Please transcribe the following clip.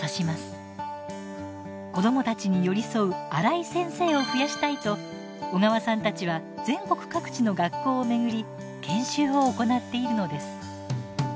子どもたちに寄り添うアライ先生を増やしたいと小川さんたちは全国各地の学校を巡り研修を行っているのです。